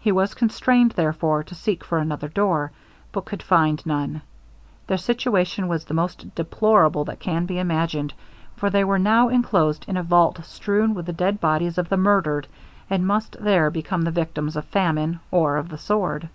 He was constrained, therefore, to seek for another door, but could find none. Their situation was the most deplorable that can be imagined; for they were now inclosed in a vault strewn with the dead bodies of the murdered, and must there become the victims of famine, or of the sword.